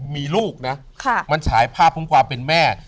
มีลูกนะมันฉายภาพของความเป็นแม่